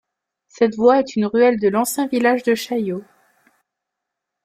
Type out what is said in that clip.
Cette voie est une ruelle de l'ancien village de Chaillot.